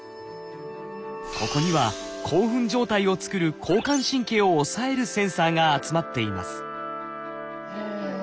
ここには興奮状態を作る交感神経を抑えるセンサーが集まっています。